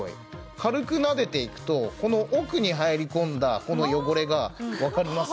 軽くなでていくとこの奥に入り込んだこの汚れがわかります？